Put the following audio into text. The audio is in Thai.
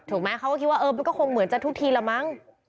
ไหมเขาก็คิดว่าเออมันก็คงเหมือนจะทุกทีละมั้ง